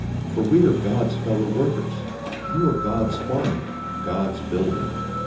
003:009 For we are God's fellow workers. You are God's farming, God's building.